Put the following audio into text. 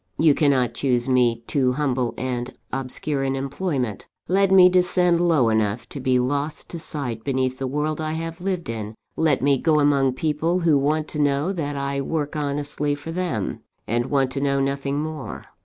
You cannot choose me too humble and obscure an employment; let me descend low enough to be lost to sight beneath the world I have lived in; let me go among people who want to know that I work honestly for them, and want to know nothing more.